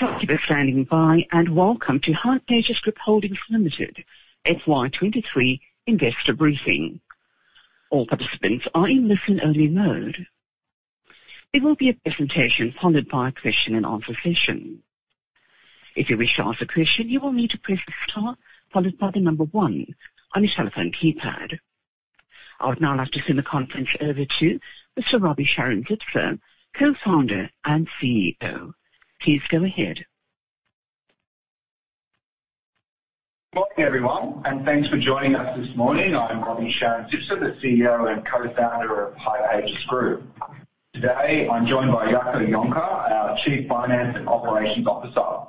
Thank you for standing by, and welcome to hipages Group Holdings Limited, FY23 investor briefing. All participants are in listen-only mode. There will be a presentation followed by a question and answer session. If you wish to ask a question, you will need to press star followed by the number 1 on your telephone keypad. I would now like to turn the conference over to Mr. Roby Sharon-Zipser, Co-founder and CEO. Please go ahead. Morning, everyone, thanks for joining us this morning. I'm Roby Sharon-Zipser, the CEO and Co-founder of hipages Group. Today, I'm joined by Jaco Jonker, our Chief Financial & Operations Officer.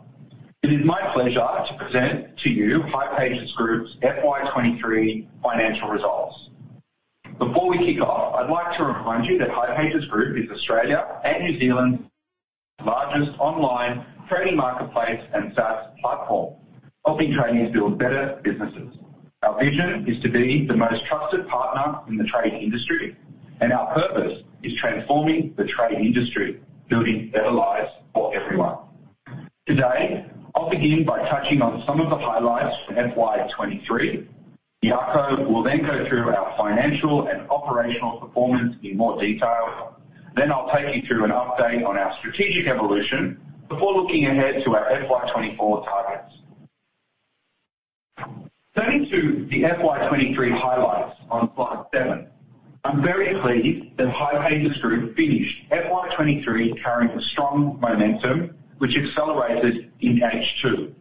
It is my pleasure to present to you hipages Group's FY23 financial results. Before we kick off, I'd like to remind you that hipages Group is Australia and New Zealand's largest online tradie marketplace and SaaS platform, helping tradies build better businesses. Our vision is to be the most trusted partner in the trade industry, and our purpose is transforming the trade industry, building better lives for everyone. Today, I'll begin by touching on some of the highlights from FY23. Jaco will go through our financial and operational performance in more detail. I'll take you through an update on our strategic evolution before looking ahead to our FY24 targets. Turning to the FY23 highlights on slide 7, I'm very pleased that hipages Group finished FY23 carrying a strong momentum, which accelerated in H2.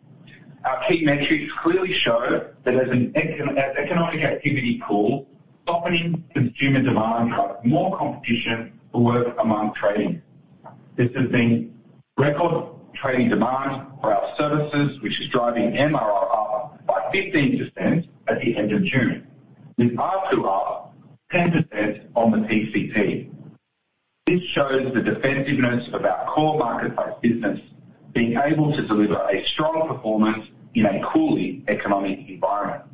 Our key metrics clearly show that as economic activity cool, softening consumer demand drives more competition for work among tradies. This has been record tradie demand for our services, which is driving MRR up by 15% at the end of June, with ARPU up 10% on the PCP. This shows the defensiveness of our core marketplace business, being able to deliver a strong performance in a cooling economic environment.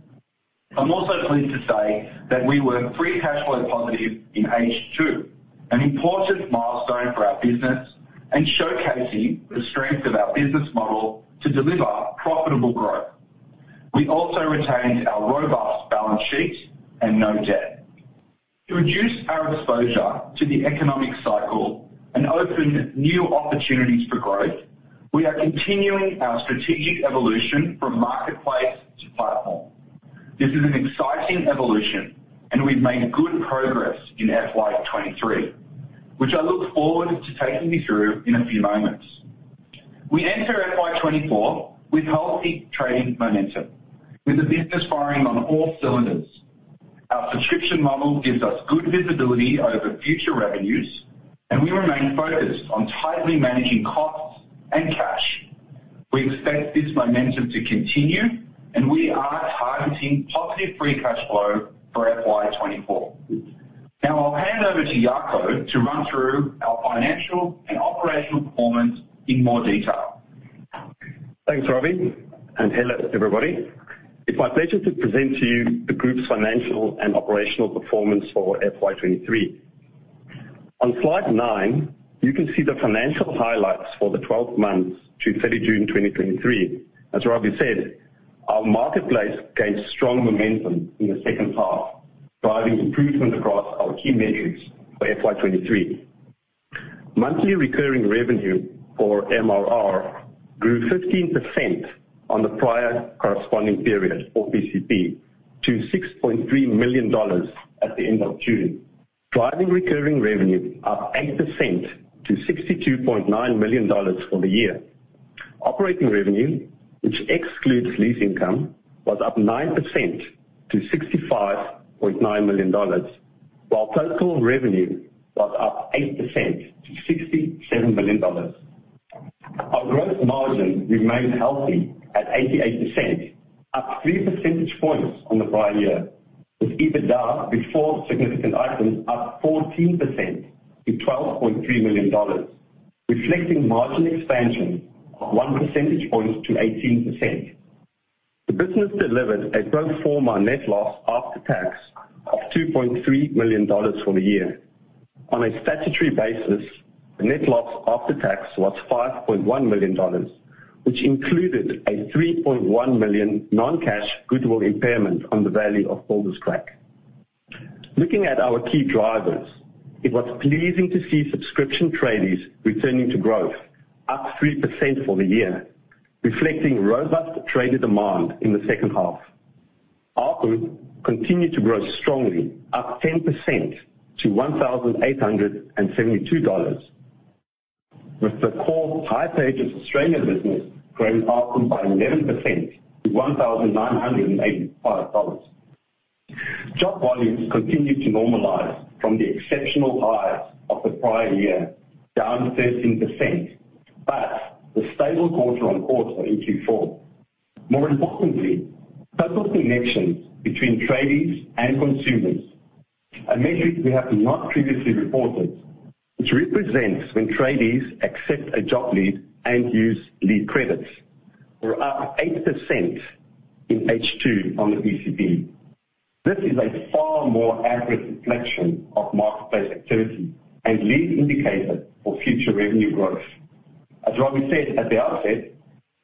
I'm also pleased to say that we were free cash flow positive in H2, an important milestone for our business and showcasing the strength of our business model to deliver profitable growth. We also retained our robust balance sheet and no debt. To reduce our exposure to the economic cycle and open new opportunities for growth, we are continuing our strategic evolution from marketplace to platform. This is an exciting evolution and we've made good progress in FY23, which I look forward to taking you through in a few moments. We enter FY24 with healthy trading momentum, with the business firing on all cylinders. Our subscription model gives us good visibility over future revenues, and we remain focused on tightly managing costs and cash. We expect this momentum to continue, and we are targeting positive free cash flow for FY24. Now, I'll hand over to Jaco to run through our financial and operational performance in more detail. Thanks, Roby, hello, everybody. It's my pleasure to present to you the Group's financial and operational performance for FY23. On slide 9, you can see the financial highlights for the 12 months to June 30, 2023. As Roby said, our marketplace gained strong momentum in the second half, driving improvement across our key metrics for FY23. Monthly recurring revenue, or MRR, grew 15% on the prior corresponding period, or PCP, to 6.3 million dollars at the end of June, driving recurring revenue up 8% to 62.9 million dollars for the year. Operating revenue, which excludes lease income, was up 9% to 65.9 million dollars, while total revenue was up 8% to 67 million dollars. Our gross margin remained healthy at 88%, up 3 percentage points on the prior year, with EBITDA before significant items up 14% to 12.3 million dollars, reflecting margin expansion of 1 percentage point to 18%. The business delivered a pro forma net loss after tax of 2.3 million dollars for the year. On a statutory basis, the net loss after tax was 5.1 million dollars, which included a 3.1 million non-cash goodwill impairment on the value of Builderscrack. Looking at our key drivers, it was pleasing to see subscription tradies returning to growth, up 3% for the year, reflecting robust tradie demand in the second half. ARPU continued to grow strongly, up 10% to $1,872, with the core hipages Australian business growing ARPU by 11% to $1,985. Job volumes continued to normalize from the exceptional highs of the prior year, down 13%, but a stable quarter-on-quarter in Q4. More importantly, total connections between tradies and consumers, a metric we have not previously reported, which represents when tradies accept a job lead and use lead credits, were up 8% in H2 on the PCP. This is a far more accurate reflection of marketplace activity and lead indicator for future revenue growth. As Roby said at the outset,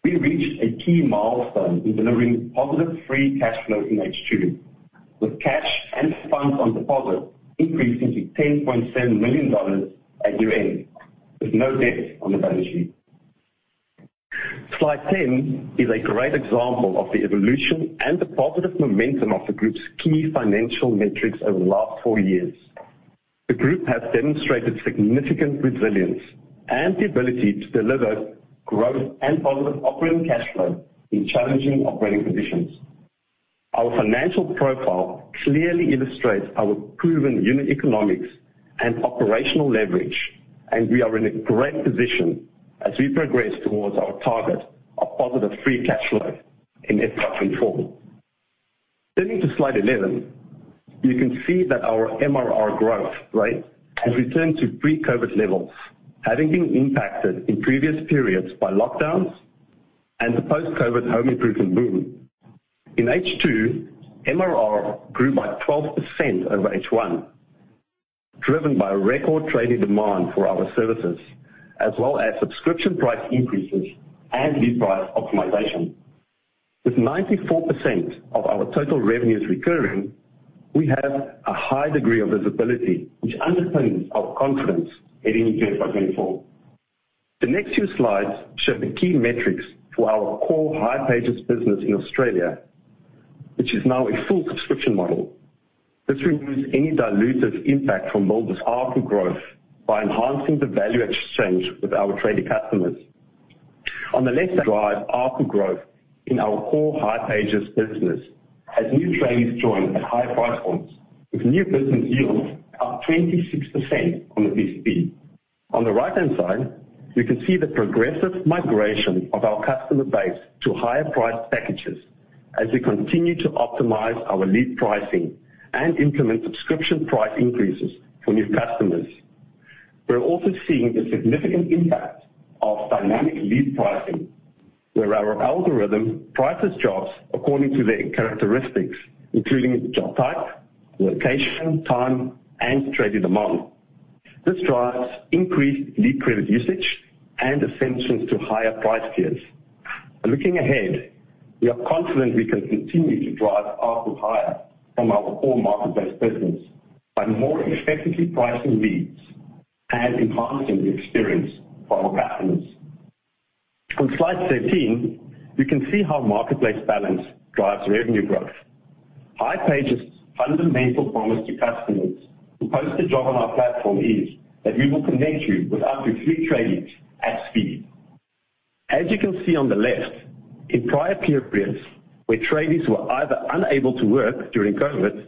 we reached a key milestone in delivering positive free cash flow in H2, with cash and funds on deposit increasing to 10.7 million dollars at year-end, with no debt on the balance sheet. Slide 10 is a great example of the evolution and the positive momentum of the group's key financial metrics over the last four years. The group has demonstrated significant resilience and the ability to deliver growth and positive operating cash flow in challenging operating conditions. Our financial profile clearly illustrates our proven unit economics and operational leverage, and we are in a great position as we progress towards our target of positive free cash flow in FY24. Turning to slide 11, you can see that our MRR growth rate has returned to pre-COVID levels, having been impacted in previous periods by lockdowns and the post-COVID home improvement boom. In H2, MRR grew by 12% over H1, driven by record tradie demand for our services, as well as subscription price increases and lead price optimization. With 94% of our total revenues recurring, we have a high degree of visibility, which underpins our confidence heading into FY24. The next few slides show the key metrics for our core hipages business in Australia, which is now a full subscription model. This removes any dilutive impact from builders ARPU growth by enhancing the value exchange with our tradie customers. On the left drive, ARPU growth in our core hipages business, as new tradies join at high price points, with new business yields up 26% on a PCP. On the right-hand side, we can see the progressive migration of our customer base to higher priced packages as we continue to optimize our lead pricing and implement subscription price increases for new customers. We're also seeing a significant impact of dynamic lead pricing, where our algorithm prices jobs according to their characteristics, including job type, location, time, and tradie demand. This drives increased lead credit usage and ascensions to higher price tiers. Looking ahead, we are confident we can continue to drive ARPU higher from our core marketplace business by more effectively pricing leads and enhancing the experience for our customers. On slide 13, you can see how marketplace balance drives revenue growth. hipages' fundamental promise to customers who post a job on our platform is that we will connect you with up to three tradies at speed. As you can see on the left, in prior periods where tradies were either unable to work during COVID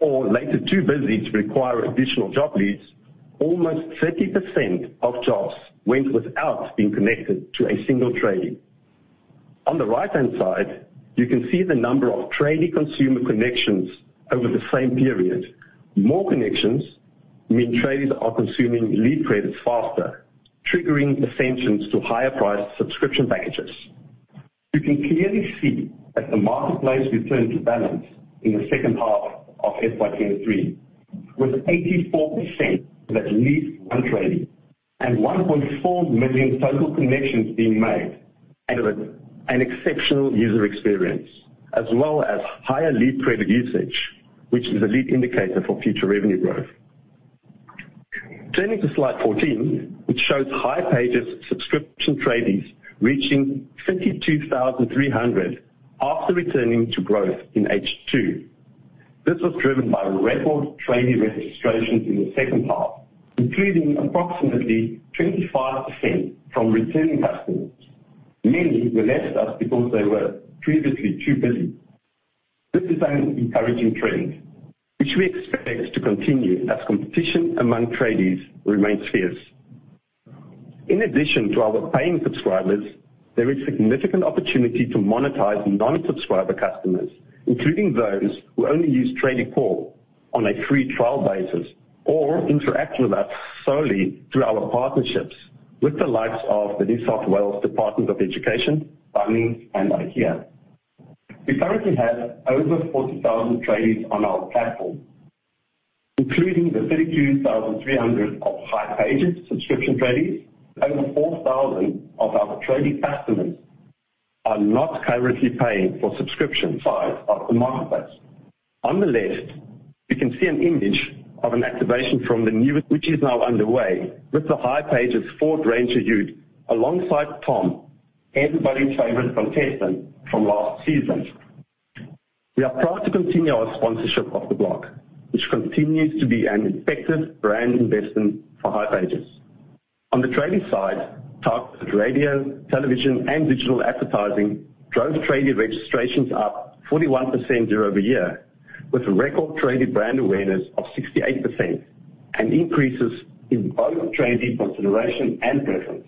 or later too busy to require additional job leads, almost 30% of jobs went without being connected to a single tradie. On the right-hand side, you can see the number of tradie-consumer connections over the same period. More connections mean tradies are consuming lead credits faster, triggering ascensions to higher priced subscription packages. You can clearly see that the marketplace returned to balance in the second half of FY23, with 84% that at least one tradie and 1.4 million total connections being made, and with an exceptional user experience, as well as higher lead credit usage, which is a lead indicator for future revenue growth. Turning to slide 14, which shows hipages subscription tradies reaching 52,300 after returning to growth in H2. This was driven by record tradie registrations in the second half, including approximately 25% from returning customers. Many were left us because they were previously too busy. This is an encouraging trend, which we expect to continue as competition among tradies remains fierce. In addition to our paying subscribers, there is significant opportunity to monetize non-subscriber customers, including those who only use Tradiecore on a free trial basis, or interact with us solely through our partnerships with the likes of the New South Wales Department of Education, Bunnings, and IKEA. We currently have over 40,000 tradies on our platform, including the 32,300 of hipages subscription tradies. Over 4,000 of our tradie customers are not currently paying for subscription side of the marketplace. On the left, you can see an image of an activation from the newest, which is now underway with the hipages Ford Ranger Ute, alongside Tom, everybody's favorite contestant from last season. We are proud to continue our sponsorship of The Block, which continues to be an effective brand investment for hipages. On the tradie side, targeted radio, television, and digital advertising drove tradie registrations up 41% year-over-year, with record tradie brand awareness of 68%, and increases in both tradie consideration and preference.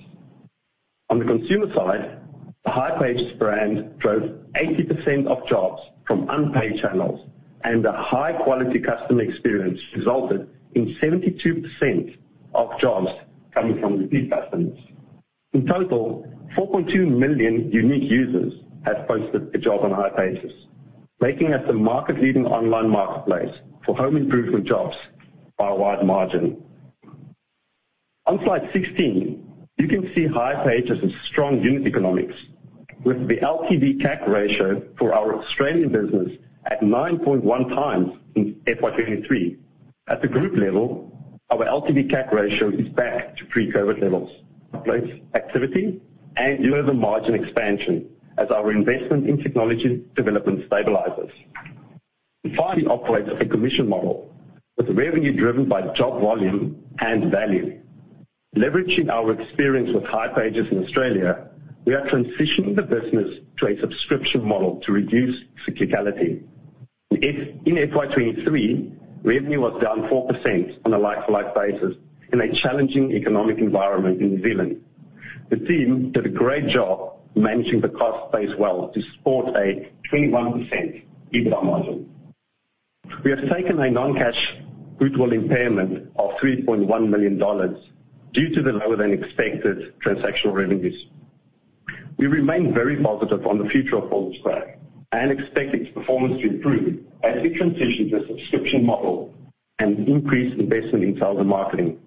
On the consumer side, the hipages brand drove 80% of jobs from unpaid channels. A high-quality customer experience resulted in 72% of jobs coming from repeat customers. In total, 4.2 million unique users have posted a job on hipages, making us the market leading online marketplace for home improvement jobs by a wide margin. On slide 16, you can see hipages' strong unit economics with the LTV/CAC ratio for our Australian business at 9.1 times in FY23. At the group level, our LTV/CAC ratio is back to pre-COVID levels. Marketplace activity and deliver margin expansion as our investment in technology development stabilizes. We currently operate a commission model with revenue driven by job volume and value. Leveraging our experience with hipages in Australia, we are transitioning the business to a subscription model to reduce cyclicality. In FY23, revenue was down 4% on a like-to-like basis in a challenging economic environment in New Zealand. The team did a great job managing the cost base well to support a 21% EBITDA margin. We have taken a non-cash goodwill impairment of 3.1 million dollars due to the lower than expected transactional revenues. We remain very positive on the future of Builderscrack and expect its performance to improve as we transition to a subscription model and increase investment in sales and marketing.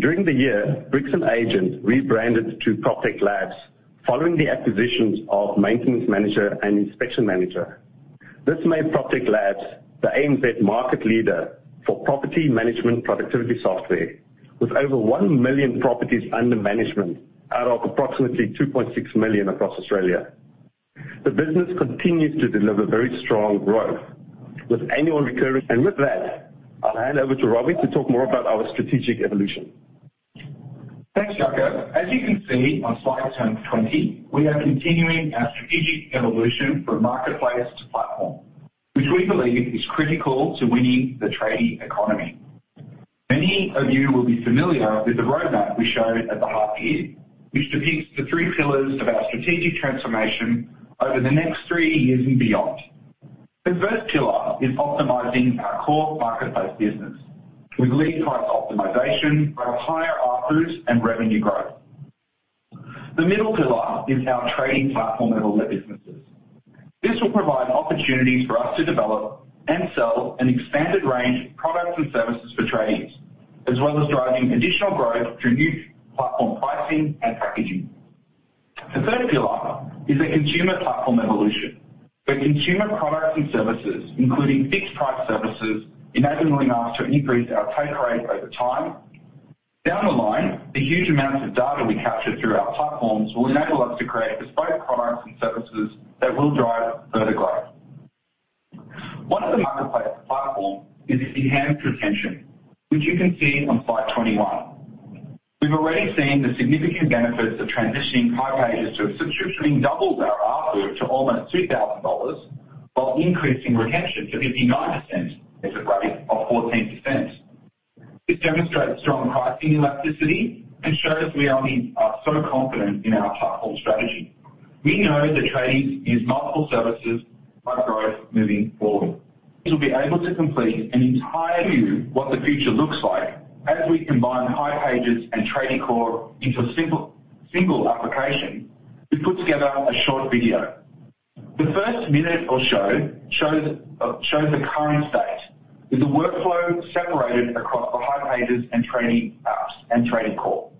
During the year, Bricks and Agent rebranded to PropTech Labs following the acquisitions of Maintenance Manager and Inspection Manager. This made PropTech Labs the ANZ market leader for property management productivity software, with over 1 million properties under management, out of approximately 2.6 million across Australia. The business continues to deliver very strong growth, with annual recurring. With that, I'll hand over to Robbie to talk more about our strategic evolution. Thanks, Jaco. As you can see on slide 20, we are continuing our strategic evolution from marketplace to platform, which we believe is critical to winning the tradie economy. Many of you will be familiar with the roadmap we showed at the half year, which depicts the 3 pillars of our strategic transformation over the next 3 years and beyond. The first pillar is optimizing our core marketplace business, with lead price optimization, drive higher ARPU and revenue growth. The middle pillar is our tradie platform-enabled businesses. This will provide opportunities for us to develop and sell an expanded range of products and services for tradies, as well as driving additional growth through new platform pricing and packaging. The third pillar is a consumer platform evolution, where consumer products and services, including fixed price services, enabling us to increase our take rate over time. Down the line, the huge amounts of data we capture through our platforms will enable us to create bespoke products and services that will drive further growth. One of the marketplace platform is enhanced retention, which you can see on slide 21. We've already seen the significant benefits of transitioning hipages to a subscription, doubled our ARPU to almost 2,000 dollars, while increasing retention to 59%. It's a rate of 14%. This demonstrates strong pricing elasticity and shows we are so confident in our platform strategy. We know the tradies use multiple services by growth moving forward. We will be able to complete an entire view what the future looks like as we combine hipages and Tradiecore into a simple, single application. We put together a short video. The first minute or so shows shows the current state, with the workflow separated across the hipages and Tradie apps and Tradiecore.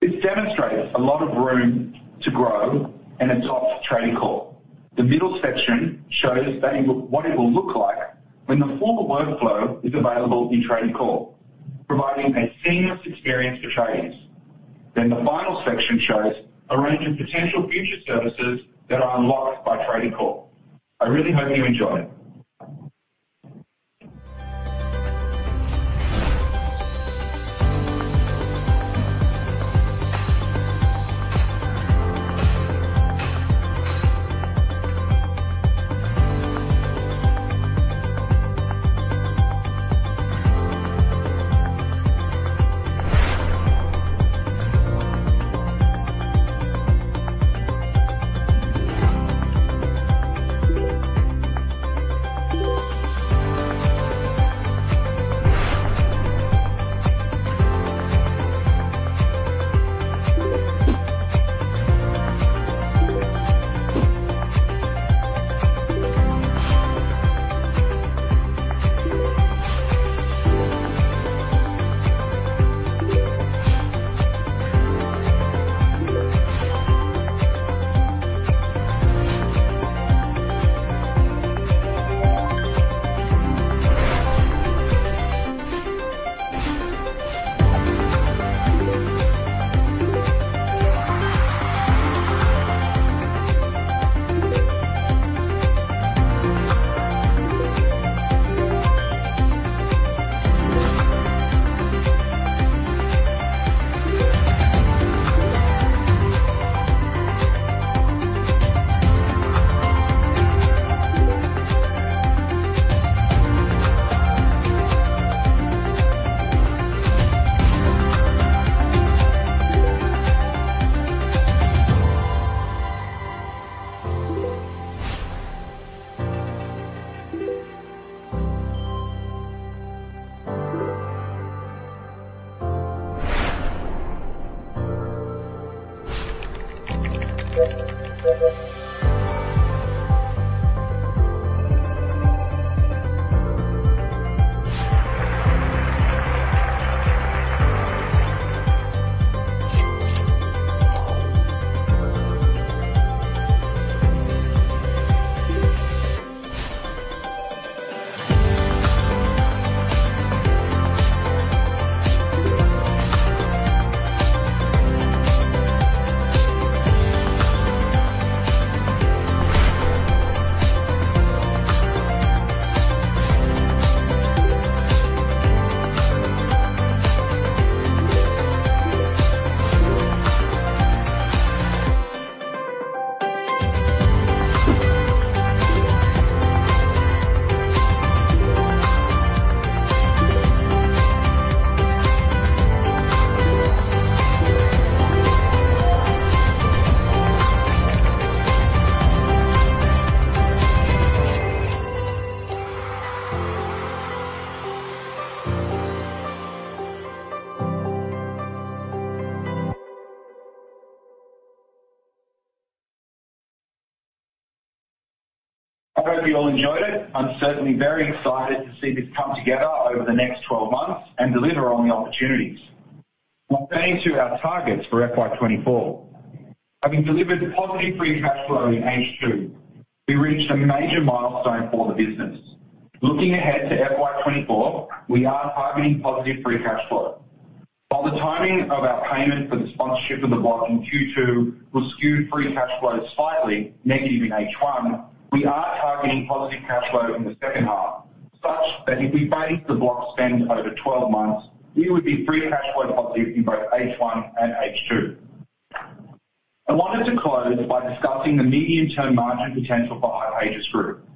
This demonstrates a lot of room to grow and adopt Tradiecore. The middle section shows what it will look like when the former workflow is available in Tradiecore, providing a seamless experience for tradies. The final section shows a range of potential future services that are unlocked by Tradiecore. I really hope you enjoy. I hope you all enjoyed it. I'm certainly very excited to see this come together over the next 12 months and deliver on the opportunities. Turning to our targets for FY24. Having delivered positive free cash flow in H2, we reached a major milestone for the business. Looking ahead to FY24, we are targeting positive free cash flow. While the timing of our payment for the sponsorship of The Block in Q2 will skew free cash flow slightly negative in H1, we are targeting positive cash flow in the second half, such that if we base The Block spend over 12 months, we would be free cash flow positive in both H1 and H2. I wanted to close by discussing the medium-term margin potential for hipages Group.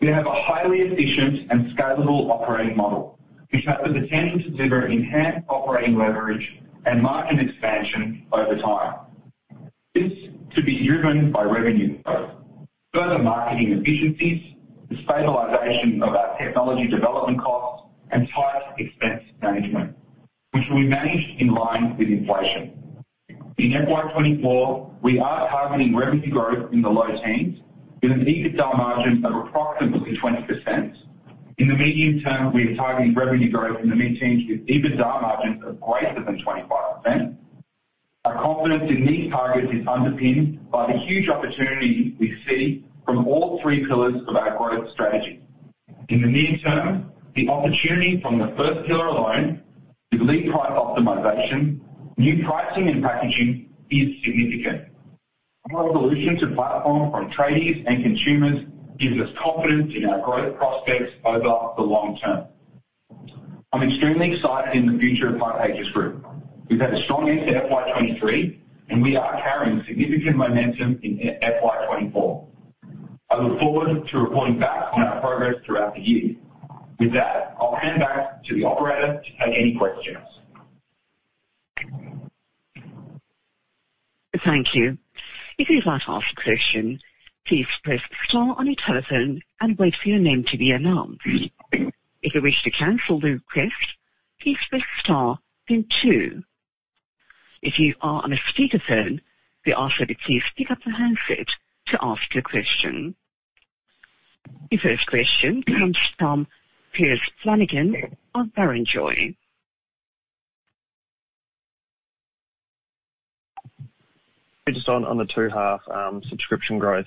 We have a highly efficient and scalable operating model, which has the potential to deliver enhanced operating leverage and margin expansion over time. This to be driven by revenue growth, further marketing efficiencies, the stabilization of our technology development costs, and tight expense management, which will be managed in line with inflation. In FY24, we are targeting revenue growth in the low teens with an EBITDA margin of approximately 20%. In the medium term, we are targeting revenue growth in the mid-teens with EBITDA margins of greater than 25%. Our confidence in these targets is underpinned by the huge opportunity we see from all three pillars of our growth strategy. In the near term, the opportunity from the first pillar alone, with lead price optimization, new pricing and packaging, is significant. Our evolution to platform from tradies and consumers gives us confidence in our growth prospects over the long term. I'm extremely excited in the future of hipages Group. We've had a strong end to FY23, and we are carrying significant momentum in FY24. I look forward to reporting back on our progress throughout the year. With that, I'll hand back to the operator to take any questions. Thank you. If you'd like to ask a question, please press Star on your telephone and wait for your name to be announced. If you wish to cancel the request, please press Star, then two. If you are on a speakerphone, we ask that you please pick up the handset to ask your question. The first question comes from Piers Flanagan of Barrenjoey. Just on, on the 2 half, subscription growth,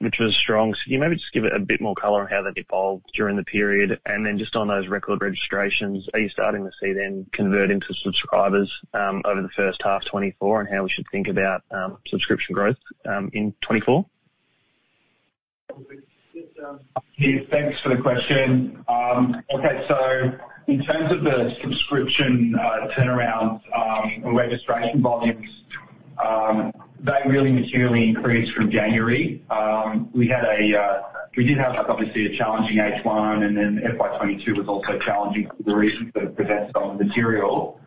which was strong, can you maybe just give it a bit more color on how that evolved during the period? Then just on those record registrations, are you starting to see them convert into subscribers, over the first half 2024, and how we should think about subscription growth, in 2024? Yes, Piers, thanks for the question. Okay, so in terms of the subscription turnaround and registration volumes, they really materially increased from January. We had a-- we did have, obviously, a challenging H1, and then FY22 was also challenging for the reasons that I've presented on the material.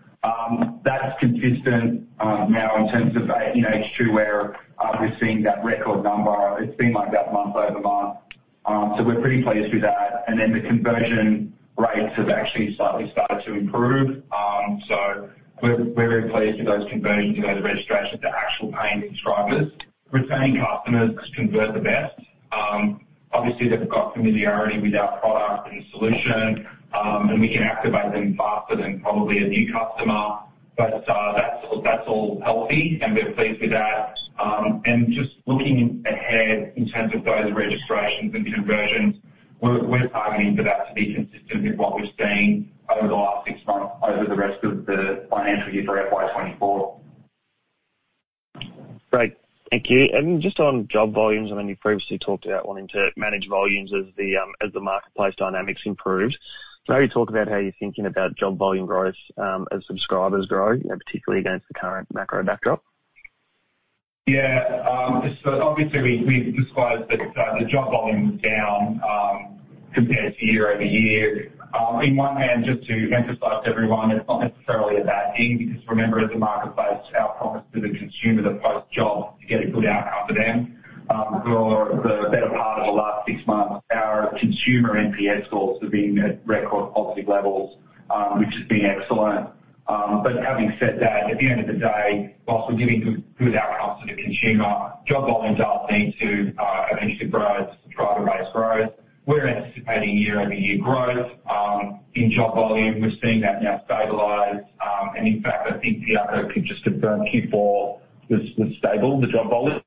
That's consistent now in terms of the, in H2, where we're seeing that record number. It's been like that month-over-month. We're pretty pleased with that. The conversion rates have actually slightly started to improve. We're, we're very pleased with those conversions to those registrations to actual paying subscribers. Retaining customers has converted the best. Obviously, they've got familiarity with our product and solution, and we can activate them faster than probably a new customer. That's, that's all healthy, and we're pleased with that. Just looking ahead in terms of those registrations and conversions, we're, we're targeting for that to be consistent with what we've seen over the last six months over the rest of the financial year, FY24. Great. Thank you. Just on job volumes, I mean, you previously talked about wanting to manage volumes as the, as the marketplace dynamics improve. Can you talk about how you're thinking about job volume growth, as subscribers grow, and particularly against the current macro backdrop? Obviously, we, we've disclosed that the job volume was down compared to year-over-year. In one hand, just to emphasize to everyone, it's not necessarily a bad thing, because remember, as a marketplace, our promise to the consumer that posts jobs to get a good outcome for them, part of the last six months, our consumer NPS scores have been at record positive levels, which has been excellent. Having said that, at the end of the day, whilst we're giving good, good outcomes to the consumer, job volumes are need to eventually grow, to drive the rates growth. We're anticipating year-over-year growth in job volume. In fact, I think Piaka could just confirm Q4 was, was stable, the job volume?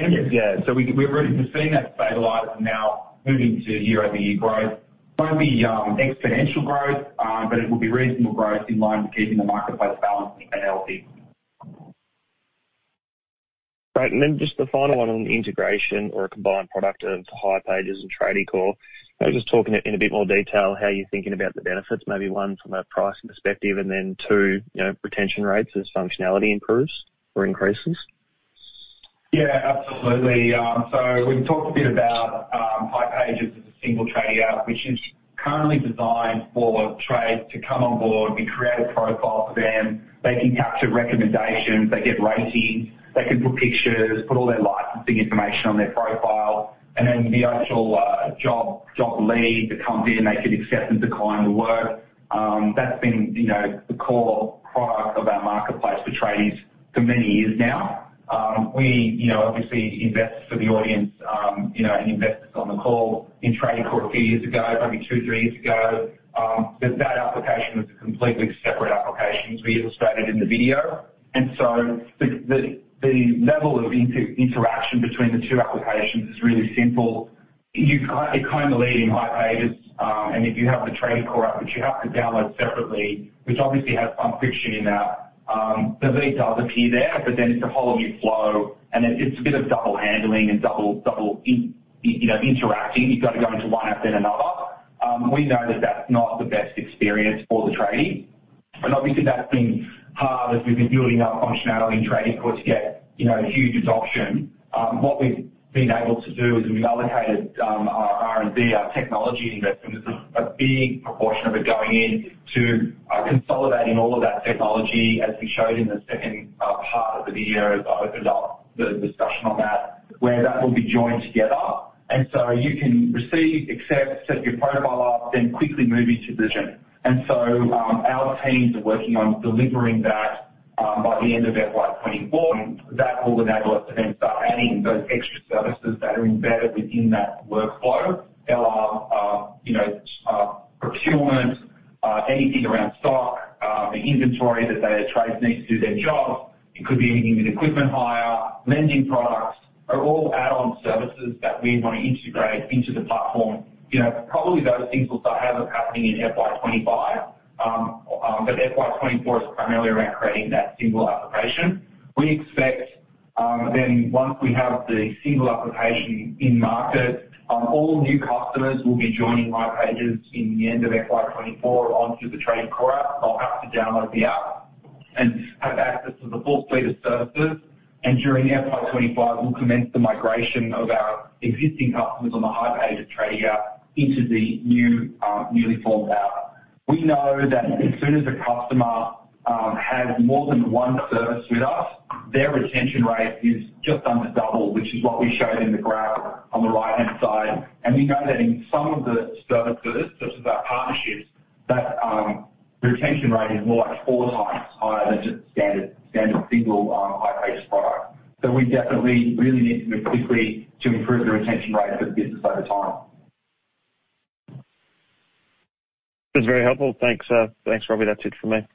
Yes. Yeah. We, we've really, we're seeing that stabilize and now moving to year-over-year growth. It won't be exponential growth, but it will be reasonable growth in line with keeping the marketplace balanced and healthy. Right. Then just the final one on the integration or a combined product of hipages and Tradiecore. Maybe just talking in, in a bit more detail, how you're thinking about the benefits, maybe one, from a pricing perspective, and then two, you know, retention rates as functionality improves or increases. Yeah, absolutely. We've talked a bit about Hipages as a single tradie app, which is currently designed for trades to come on board. We create a profile for them, they can capture recommendations, they get ratings, they can put pictures, put all their licensing information on their profile, and then the actual job, job lead that comes in, they can accept and decline the work. That's been, you know, the core product of our marketplace for tradies for many years now. We, you know, obviously invest for the audience, you know, invested on the call in Tradiecore a few years ago, probably two, three years ago. But that application was a completely separate application, as we illustrated in the video. The, the, the level of inter-interaction between the two applications is really simple. You've got it kind of lead in hipages, and if you have the Tradiecore app, which you have to download separately, which obviously has some friction in that, the lead does appear there, but then it's a whole new flow, and it, it's a bit of double handling and double, double in, you know, interacting. You've got to go into one app, then another. We know that that's not the best experience for the tradie, and obviously that's been hard as we've been building up functionality in Tradiecore to get, you know, huge adoption. What we've been able to do is we've allocated our R&D, our technology investment, a big proportion of it going in to consolidating all of that technology, as we showed in the second part of the video, as I opened up the discussion on that, where that will be joined together. You can receive, accept, set your profile up, then quickly move into the vision. Our teams are working on delivering that by the end of FY24. That will enable us to then start adding those extra services that are embedded within that workflow. There are, you know, procurement, anything around stock, the inventory that the tradies need to do their job. It could be anything with equipment hire, lending products, are all add-on services that we want to integrate into the platform. You know, probably those things will start happening in FY 25, but FY 24 is primarily around creating that single application. We expect, then once we have the single application in market, all new customers will be joining hipages in the end of FY 24 onto the Tradiecore app. They'll have to download the app and have access to the full suite of services, and during FY 25, we'll commence the migration of our existing customers on the hipages for business into the new, newly formed app. We know that as soon as a customer, has more than one service with us, their retention rate is just under double, which is what we showed in the graph on the right-hand side. We know that in some of the services, such as our partnerships, that the retention rate is more like 4 times higher than just standard, standard single, hipages product. We definitely really need to move quickly to improve the retention rates of the business over time. That's very helpful. Thanks, thanks, Roby. That's it from me.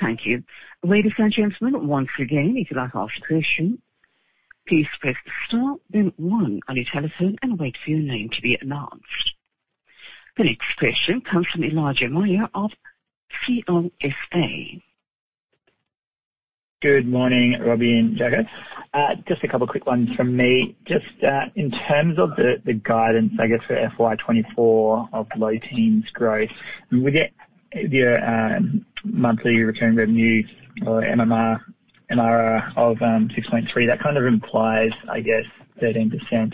Thank you. Ladies and gentlemen, once again, if you'd like to ask a question, please press star, then one on your telephone and wait for your name to be announced. The next question comes from Elijah Mayr of CLSA. Good morning, Roby and Jaco. Just a couple quick ones from me. Just in terms of the guidance, I guess, for FY24 of low teens growth, we get your monthly return revenue or MRR, MRR of 6.3. That kind of implies, I guess, 13%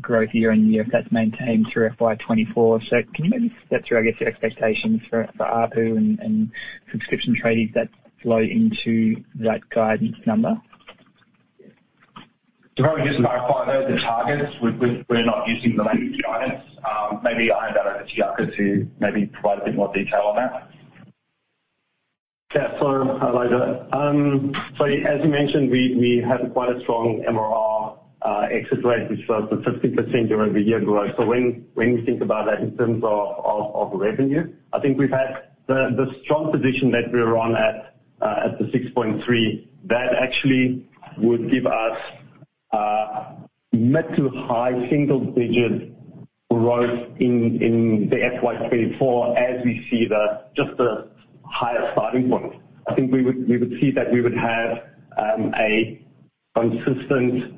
growth year-over-year, if that's maintained through FY24. Can you maybe step through, I guess, your expectations for ARPU and subscription tradies that flow into that guidance number? Probably just to clarify, those are targets. We, we, we're not using the language guidance. Maybe I hand over to Piaka to maybe provide a bit more detail on that. Hello there. So as you mentioned, we, we had quite a strong MRR exit rate, which was a 50% year-over-year growth. When, when you think about that in terms of, of, of revenue, I think we've had the, the strong position that we're on at the 6.3, that actually would give us mid to high single digit growth in the FY24, as we see the, just the higher starting point. I think we would, we would see that we would have a consistent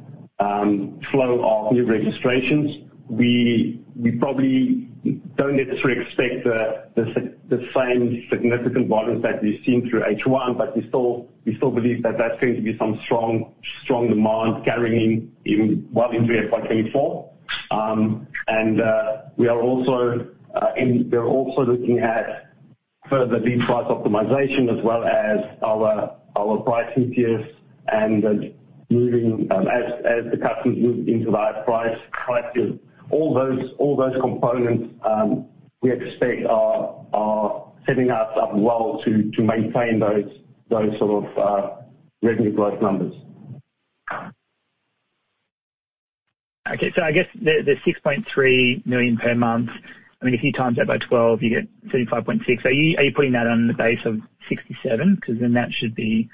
flow of new registrations. We, we probably don't necessarily expect the, the same significant volumes that we've seen through H1, but we still, we still believe that that's going to be some strong, strong demand carrying in well into FY24. We are also, and we are also looking at further lead price optimization, as well as our, our pricing tiers and the moving, as, as the customers move into higher price prices. All those, all those components, we expect are, are setting us up well to, to maintain those, those sort of, revenue growth numbers. Okay. I guess the, the 6.3 million per month, I mean, if you times that by 12, you get 35.6. Are you, are you putting that on the base of 67? Because then that should be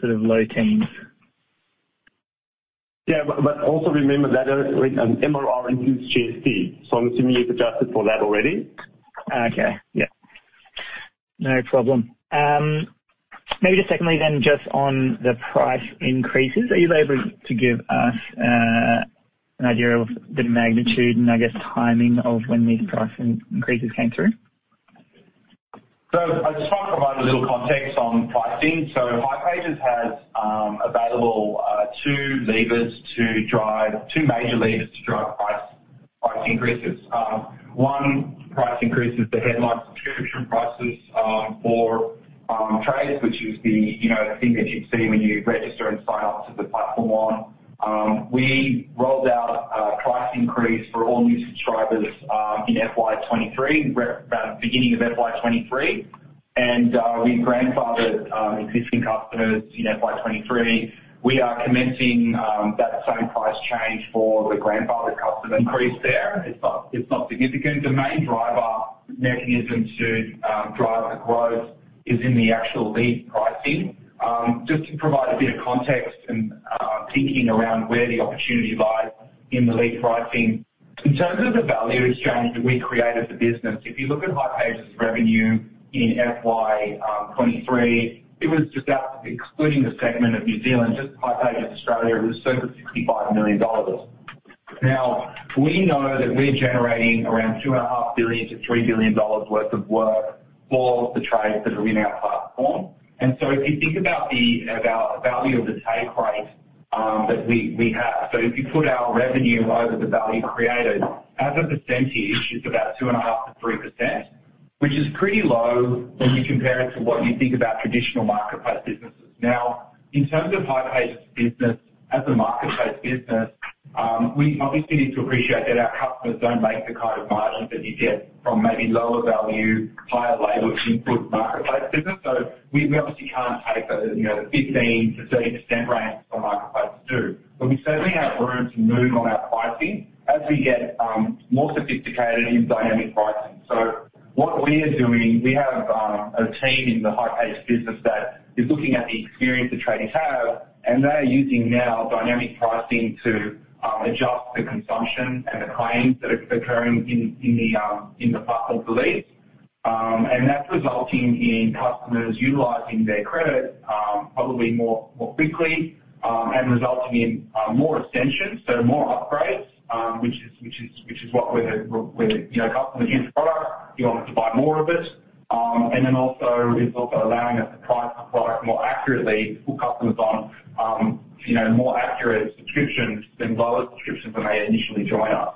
sort of low teens. Yeah, but also remember that MRR includes GST, so I'm assuming you've adjusted for that already. Okay. Yeah, no problem. Maybe just secondly, just on the price increases, are you able to give us an idea of the magnitude and I guess timing of when these price increases came through? I just want to provide a little context on pricing. hipages has available two major levers to drive price, price increases. One, price increases, the headline subscription prices for trades, which is the, you know, thing that you'd see when you register and sign up to the platform on. We rolled out a price increase for all new subscribers in FY23, around the beginning of FY23. We grandfathered existing customers in FY23. We are commencing that same price change for the grandfathered customer increase there. It's not, it's not significant. The main driver mechanism to drive the growth is in the actual lead pricing. Just to provide a bit of context and thinking around where the opportunity lies in the lead pricing. In terms of the value exchange that we created the business, if you look at hipages' revenue in FY23, it was just excluding the segment of New Zealand, just hipages Australia, it was circa 65 million dollars. Now, we know that we're generating around 2.5 billion-3 billion dollars worth of work for the trades that are in our platform. So if you think about the, about the value of the take rate, that we, we have, so if you put our revenue over the value created as a percentage, it's about 2.5%-3%, which is pretty low when you compare it to what you think about traditional marketplace businesses. In terms of hipages business as a marketplace business, we obviously need to appreciate that our customers don't make the kind of margin that you get from maybe lower value, higher labor input marketplace business. We, we obviously can't take the, you know, the 15%-30% range that marketplace do. We certainly have room to move on our pricing as we get more sophisticated in dynamic pricing. What we are doing, we have a team in the hipages business that is looking at the experience the tradies have, and they are using now dynamic pricing to adjust the consumption and the claims that are occurring in, in the platform leads. That's resulting in customers utilizing their credit, probably more, more quickly, and resulting in more extensions, so more upgrades. Which is what we're, you know, customers use the product, you want to buy more of it. Also it's also allowing us to price the product more accurately, put customers on, you know, more accurate subscriptions than lower subscriptions when they initially join us.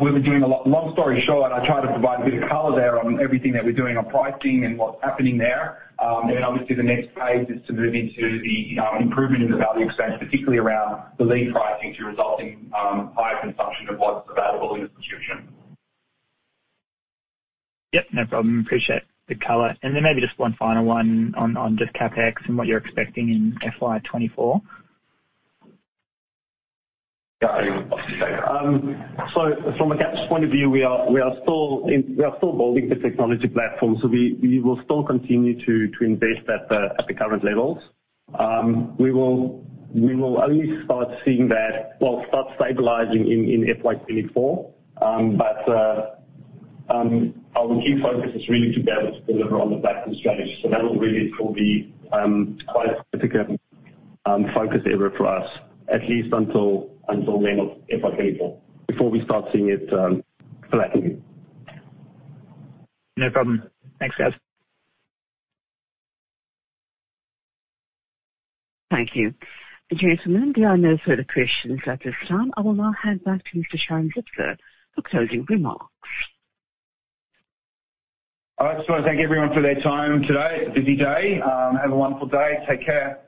We've been doing a lot. Long story short, I tried to provide a bit of color there on everything that we're doing on pricing and what's happening there. Obviously the next phase is to move into the improvement in the value exchange, particularly around the lead pricing, to result in higher consumption of what's available in the subscription. Yep, no problem. Appreciate the color. Maybe just one final one on, on just CapEx and what you're expecting in FY24. I mean, obviously. From a CapEx point of view, we are, we are still in, we are still building the technology platform, we, we will still continue to, to invest at the, at the current levels. We will, we will only start seeing that, well, start stabilizing in, in FY24. Our key focus is really to be able to deliver on the platform strategy. That will really still be, quite a significant, focus area for us, at least until, until the end of FY24, before we start seeing it, flattening. No problem. Thanks, guys. Thank you. Gentlemen, there are no further questions at this time. I will now hand back to Mr. Sharon-Zipser for closing remarks. I just want to thank everyone for their time today. It's a busy day. Have a wonderful day. Take care.